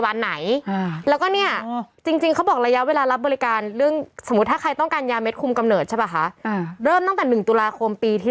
แม่ก็เสียสิทธิ์ก่อกับไม่ต้องรอบัตรทองเหมือนเดียว